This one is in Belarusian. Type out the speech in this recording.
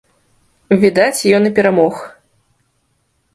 Відаць, ён і перамог.